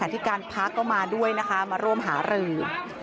ที่การพักก็มาด้วยนะคะมาร่วมหารือ